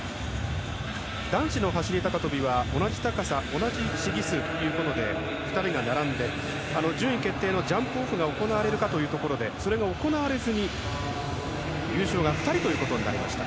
男子の走り高跳びは同じ高さ、同じ試技数２人が並んで順位決定のジャンプオフが行われるかというところでそれが行われずに優勝が２人ということになりました。